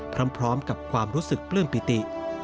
พร้อมกับความรู้สึกปลื้มปิติ